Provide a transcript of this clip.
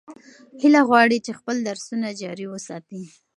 هیله غواړي چې خپل درسونه جاري وساتي.